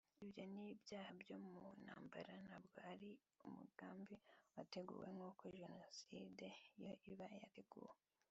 ibyo ni ibyaha byo mu ntambara ntabwo ari umugambi wateguwe nk’uko jenoside yo iba yateguwe”